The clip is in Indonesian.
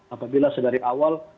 apabila sedari awal